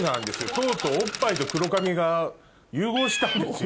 とうとうおっぱいと黒髪が融合したんですよ。